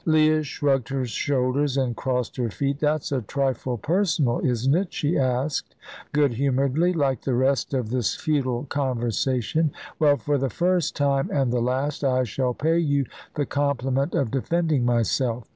Leah shrugged her shoulders and crossed her feet. "That's a trifle personal, isn't it?" she asked good humouredly; "like the rest of this futile conversation. Well, for the first time and the last, I shall pay you the compliment of defending myself.